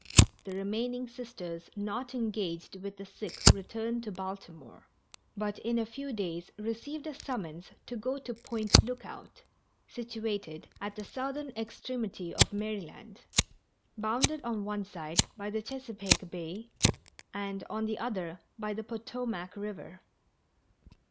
The remaining Sisters not engaged with the sick returned to Baltimore, but in a few days received a summons to go to Point Lookout, situated at the southern extremity of Maryland, bounded on one side by the Chesapeake Bay and on the other by the Potomac River.